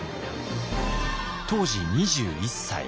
当時２１歳。